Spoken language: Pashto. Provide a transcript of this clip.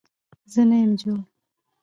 زه نه يم جوړ